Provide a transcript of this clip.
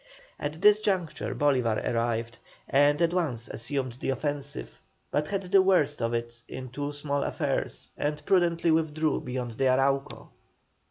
At this juncture Bolívar arrived, and at once assumed the offensive, but had the worst of it in two small affairs, and prudently withdrew beyond the Arauco.